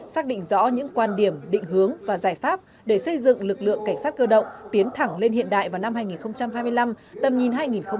xác định rõ những quan điểm định hướng và giải pháp để xây dựng lực lượng cảnh sát cơ động tiến thẳng lên hiện đại vào năm hai nghìn hai mươi năm tầm nhìn hai nghìn ba mươi